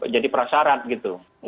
jadi prasyarat gitu